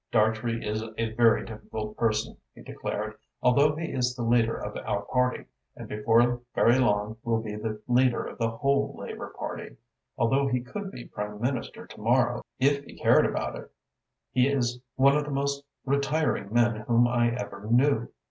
"Dartrey is a very difficult person," he declared. "Although he is the leader of our party, and before very long will be the leader of the whole Labour Party, although he could be Prime Minister to morrow if he cared about it; he is one of the most retiring men whom I ever knew.